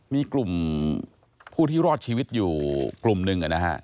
มีกลุ่มผู้ที่รอดชีวิตอยู่กลุ่มหนึ่งนะฮะ